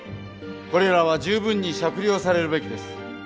これらは十分に酌量されるべきです。